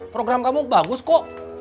program kamu bagus kok